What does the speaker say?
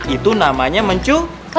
itu namanya mencu